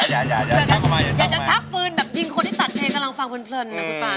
อยากจะชักผืนแบบปิ่งคนที่ตัดเพลงตลอดฟังเพลิน